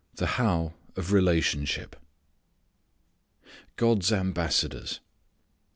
The "How" of Relationship God's Ambassadors.